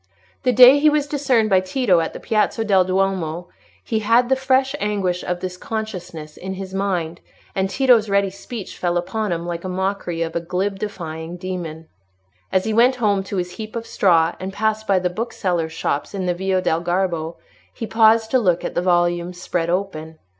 The day he was discerned by Tito in the Piazza del Duomo, he had the fresh anguish of this consciousness in his mind, and Tito's ready speech fell upon him like the mockery of a glib, defying demon. As he went home to his heap of straw, and passed by the booksellers' shops in the Via del Garbo, he paused to look at the volumes spread open.